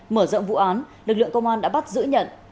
mở rộng vụ án lực lượng công an đã bắt giữ nhật